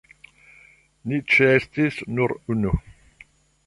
Ni ĉeestis nur unu.